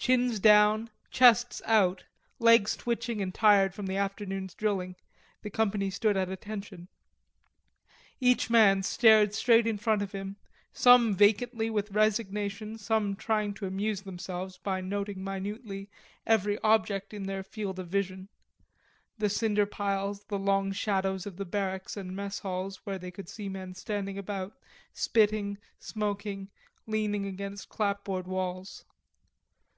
Chins down, chests out, legs twitching and tired from the afternoon's drilling, the company stood at attention. Each man stared straight in front of him, some vacantly with resignation, some trying to amuse themselves by noting minutely every object in their field of vision, the cinder piles, the long shadows of the barracks and mess halls where they could see men standing about, spitting, smoking, leaning against clapboard walls.